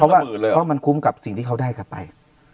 เพราะมันคุ้มกับสิ่งที่เขาได้กลับไป